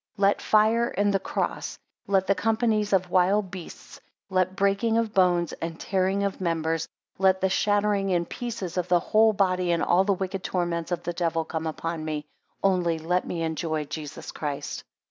13 Let fire and the cross; let the companies of wild beasts; let breakings of bones, and tearing of members; let the shattering in pieces of the whole body, and all the wicked torments of the devil come upon me; only let me enjoy Jesus Christ.